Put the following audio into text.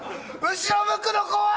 後ろ向くの怖い！